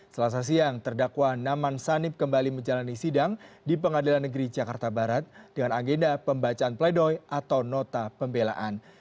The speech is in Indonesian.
selasa siang terdakwa naman sanib kembali menjalani sidang di pengadilan negeri jakarta barat dengan agenda pembacaan pledoi atau nota pembelaan